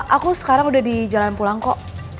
aku sekarang udah di jalan pulang kok